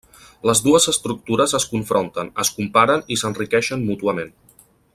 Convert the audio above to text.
Les dues estructures es confronten, es comparen, i s'enriqueixen mútuament.